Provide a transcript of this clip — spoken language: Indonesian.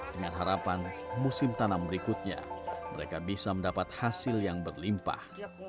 dengan harapan musim tanam berikutnya mereka bisa mendapat hasil yang berlimpah